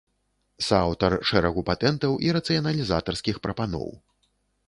Сааўтар шэрагу патэнтаў і рацыяналізатарскіх прапаноў.